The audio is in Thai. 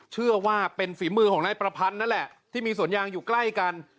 เชื่อว่าเป็นฝีมือของนายประพันธ์นั่นแหละที่มีสวนยางอยู่ใกล้กัน